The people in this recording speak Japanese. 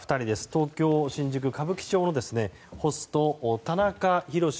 東京・新宿歌舞伎町のホスト田中裕志